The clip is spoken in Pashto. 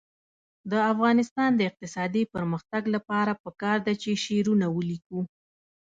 د افغانستان د اقتصادي پرمختګ لپاره پکار ده چې شعرونه ولیکو.